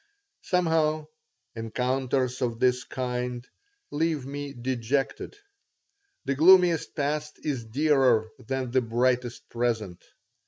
Somehow, encounters of this kind leave me dejected. The gloomiest past is dearer than the brightest present.